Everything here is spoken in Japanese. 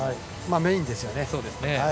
メインですよね。